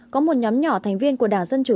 có một nhóm nhỏ thành viên của đảng dân chủ